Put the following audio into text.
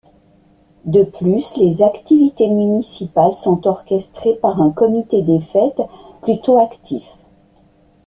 De plus, les activités municipales sont orchestrées par un comité des fêtes plutôt actif.